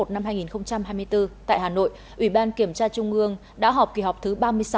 năm hai nghìn hai mươi bốn tại hà nội ủy ban kiểm tra trung ương đã họp kỳ họp thứ ba mươi sáu